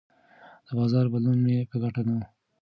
د بازار بدلون مې په ګټه نه و.